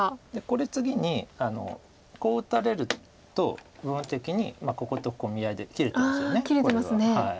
これ次にこう打たれると部分的にこことここ見合いで切れてますよねこれは。